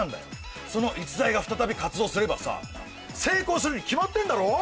その逸材が再び活動すればさ成功するに決まってんだろ？